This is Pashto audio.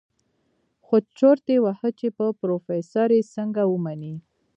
خو چورت يې وهه چې په پروفيسر يې څنګه ومني.